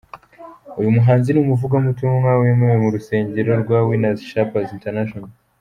Uyu muhanzi ni umuvugabutumwa wemewe mu rusengero rwa Winners Shaple International.